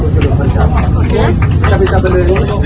kemarin sampai tiga ratus lima puluh juta